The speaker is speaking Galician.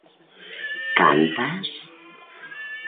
Cantas?